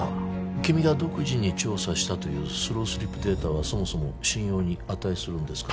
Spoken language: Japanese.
君が独自に調査したというスロースリップデータはそもそも信用に値するんですか？